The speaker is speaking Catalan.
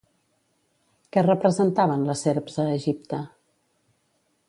Què representaven les serps a Egipte?